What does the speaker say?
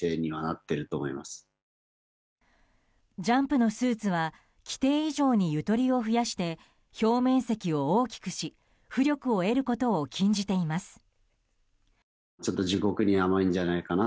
ジャンプのスーツは規定以上にゆとりを増やして表面積を大きくし浮力を得ることを禁じています。